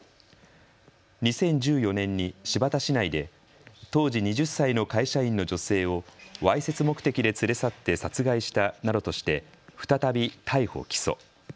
２０１４年に新発田市内で当時２０歳の会社員の女性をわいせつ目的で連れ去って殺害したなどとして再び逮捕・起訴。